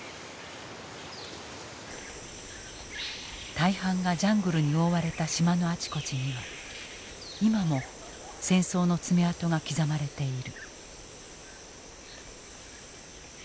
大半がジャングルに覆われた島のあちこちには今も戦争の爪痕が刻まれている。